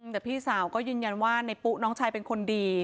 แต่พี่สาวก็ยืนยันว่าในปุ๊น้องชายเป็นคนดี